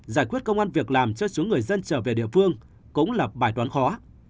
giải quyết công an việc làm cho số người dân trở về địa phương cũng là bài toán khó